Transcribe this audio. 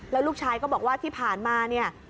และลูกชายก็บอกว่าที่ผ่านมานะ